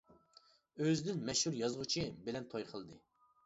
ئۆزىدىن مەشھۇر يازغۇچى بىلەن توي قىلدى.